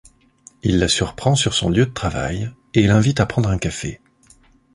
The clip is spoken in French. Il la surprend sur son lieu de travail et l'invite à prendre un café.